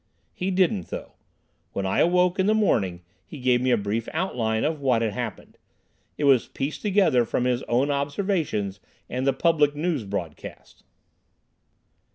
He didn't though. When I awoke in the morning, he gave me a brief outline of what had happened. It was pieced together from his own observations and the public news broadcast.